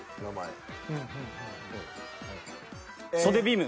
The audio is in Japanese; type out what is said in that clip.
袖ビーム。